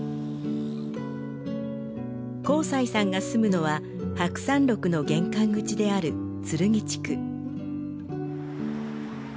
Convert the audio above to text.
幸才さんが住むのは白山麓の玄関口である鶴来地区。